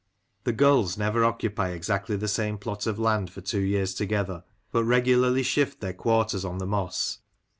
The gulls never occupy exactly the same plot of land for two years together, but regularly shift their quarters on the moss.